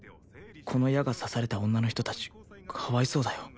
この矢が刺された女の人達かわいそうだよ